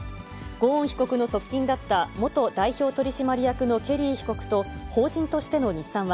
ゴーン被告の側近だった元代表取締役のケリー被告と法人としての日産は、